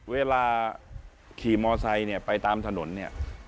เวลาขี่มอเซ็นต์ไปตามถนน